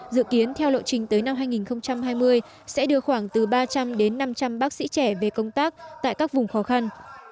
dự kiến theo lộ trình tới năm hai nghìn hai mươi sẽ đưa khoảng từ ba trăm linh đến năm trăm linh bác sĩ trẻ về công tác tại các vùng khó khăn